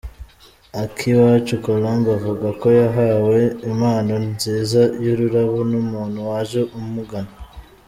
Akiwacu Colombe avuga ko yahawe impano nziza y’urarabo n’umuntu waje amugana.